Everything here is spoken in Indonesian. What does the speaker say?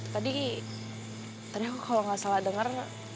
tadi ternyata aku kalau gak salah denger